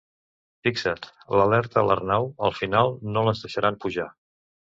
Fixa't —l'alerta l'Arnau—, al final no les deixaran pujar.